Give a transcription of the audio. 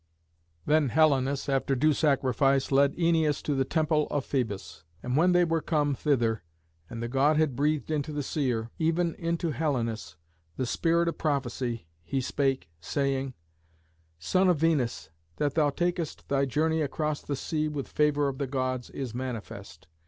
Then Helenus, after due sacrifice, led Æneas to the temple of Phœbus. And when they were come thither, and the god had breathed into the seer, even into Helenus, the spirit of prophecy, he spake, saying, "Son of Venus, that thou takest thy journey across the sea with favour of the Gods, is manifest.